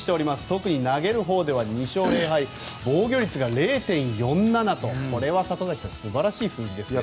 特に投げるほうでは２勝０敗、防御率０．４７とこれは素晴らしい数字ですね。